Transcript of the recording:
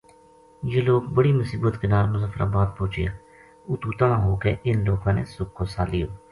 یہ لوک بڑی مصیبت کے نال مظفر آباد پوہچیا اُتو تنہاں ہو کے اِنھ لوکاں نے سُکھ کو ساہ لیو